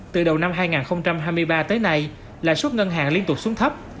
từ đầu năm hai nghìn hai mươi ba tới nay lãi suất ngân hàng liên tục xuống thấp